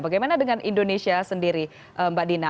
bagaimana dengan indonesia sendiri mbak dina